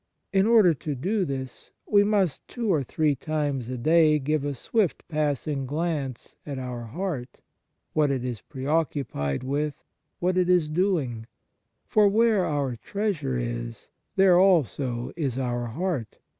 In order to do this, we must two or three times a day give a swift passing glance at our heart what it is preoccupied with, what it is doing; for " where our treasure is, there also is our heart."